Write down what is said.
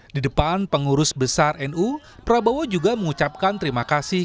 di depan pengurus besar nu prabowo juga mengucapkan terima kasih